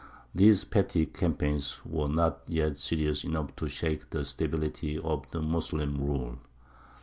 These petty campaigns were not yet serious enough to shake the stability of the Moslem rule.